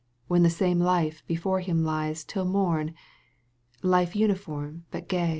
When the same life before him lies Tin morn — ^Ufe uniform but gay.